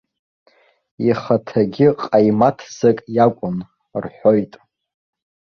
Ихаҭагьы ҟаимаҭӡак иакәын, рҳәоит.